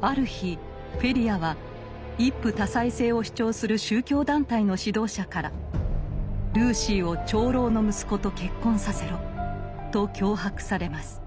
ある日フェリアは一夫多妻制を主張する宗教団体の指導者から「ルーシーを長老の息子と結婚させろ」と脅迫されます。